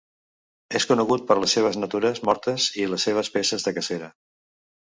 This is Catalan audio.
És conegut per les seves natures mortes i les seves peces de cacera.